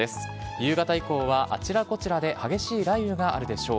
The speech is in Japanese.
夕方以降はあちらこちらで激しい雷雨があるでしょう。